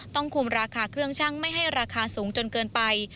ต้องคุมราคาเครื่องชั่งไม่ให้ราคาสูงจนเกินไป